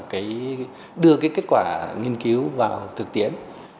cái đưa cái kết quả nghiên cứu vào thực tiễn